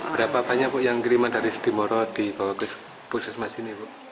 berapa banyak yang kiriman dari sudimoro di puskesmas ini